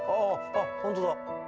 あっ本当だ。